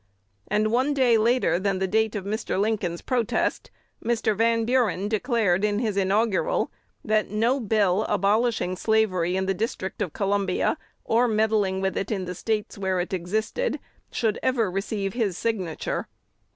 And, one day later than the date of Mr. Lincoln's protest, Mr. Van Buren declared in his inaugural, that no bill abolishing slavery in the District of Columbia, or meddling with it in the States where it existed, should ever receive his signature.